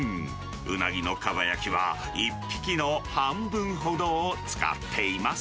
うなぎのかば焼きは、１匹の半分ほどを使っています。